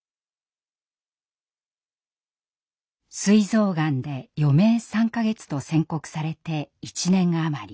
膵臓がんで余命３か月と宣告されて１年余り。